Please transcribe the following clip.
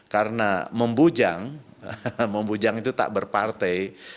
karena membujang membujang itu tak berpartai